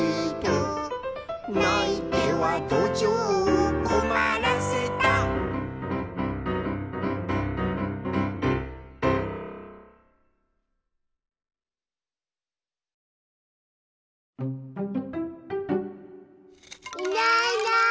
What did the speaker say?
「ないてはどじょうをこまらせた」いないいない。